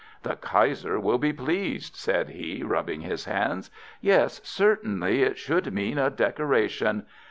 "The Kaiser will be pleased," said he, rubbing his hands. "Yes, certainly it should mean a decoration.